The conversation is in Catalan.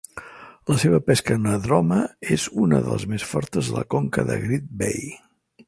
La seva pesca anàdroma és una de les més fortes de la conca de Great Bay.